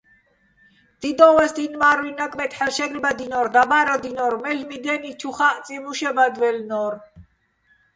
დიდო́ვას დი́ნ მა́რუჲჼ ნაკვეთ ჰ̦ალო̆ შე́გლბადჲნო́რ, დაბა́რადჲინო́რ, მელ'მი დენი ჩუ ხაჸწიჼ მუშებადვაჲლნო́რ.